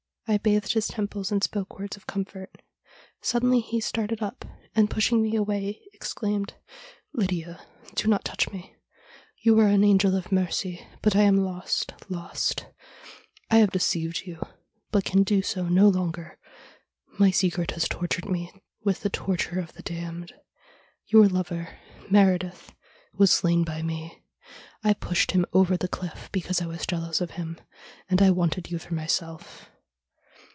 I bathed his temples and spoke words of comfort. Suddenly he started up, and, pushing me away, exclaimed :'" Lydia, do not touch me. You are an angel of mercy, but I am lost, lost ! I have deceived you, but can do so no longer. My secret has tortured me with the torture of the damned. Your lover, Meredith, was slain by me. I pushed him over the cliff because I was jealous of him, and I wanted you for myself.